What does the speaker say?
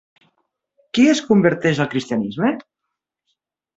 Qui es converteix al cristianisme?